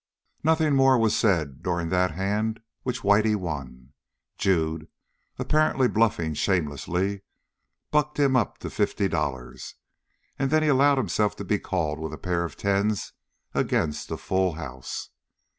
Nothing more was said during that hand which Whitey won. Jude, apparently bluffing shamelessly, bucked him up to fifty dollars, and then he allowed himself to be called with a pair of tens against a full house.